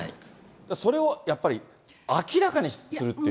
それをやっぱり明らかにするっていう。